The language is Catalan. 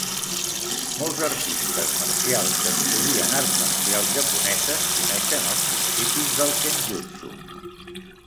Molts artistes marcials que estudien arts marcials japoneses coneixen els principis del kenjutsu.